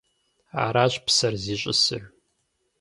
Аращ псэр зищӏысыр.